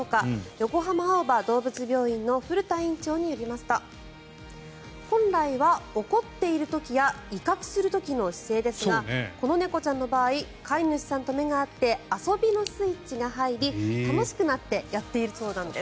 横浜青葉どうぶつ病院の古田院長よりますと本来は怒っている時や威嚇する時の姿勢ですがこの猫ちゃんの場合飼い主さんと目が合って遊びのスイッチが入り楽しくなってやっているそうなんです。